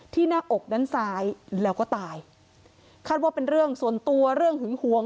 หน้าอกด้านซ้ายแล้วก็ตายคาดว่าเป็นเรื่องส่วนตัวเรื่องหึงหวง